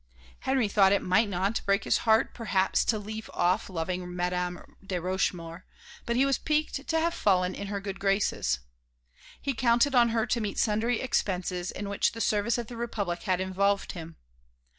Henry thought it might not break his heart perhaps to leave off loving Madame de Rochemaure; but he was piqued to have fallen in her good graces. He counted on her to meet sundry expenses in which the service of the Republic had involved him.